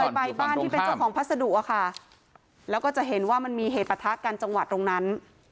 ไปบ้านที่เป็นเจ้าของพัสดุอะค่ะแล้วก็จะเห็นว่ามันมีเหตุประทะกันจังหวะตรงนั้น